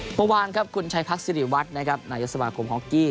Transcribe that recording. สมบูรณ์คุณชายพรรคสิริวัตรณยศคงของกี้